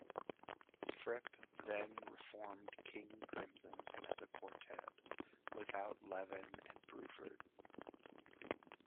Fripp then reformed King Crimson as a quartet, without Levin and Bruford.